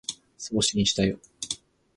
送信したよ